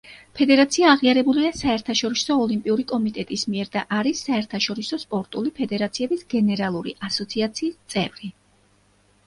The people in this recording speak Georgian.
ფედერაცია აღიარებულია საერთაშორისო ოლიმპიური კომიტეტის მიერ და არის საერთაშორისო სპორტული ფედერაციების გენერალური ასოციაციის წევრი.